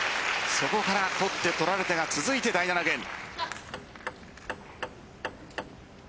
そこから取って取られてが続いて第７ゲーム。